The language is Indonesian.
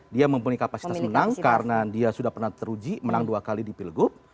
dia mempunyai kapasitas menang karena dia sudah pernah teruji menang dua kali di pilgub